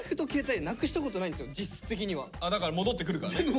だから戻ってくるからね。